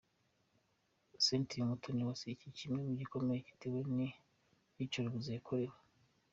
Syntia Umutoniwase, iki kimwe mu bikomere yatewe n’ iyicarubozo yakorewe.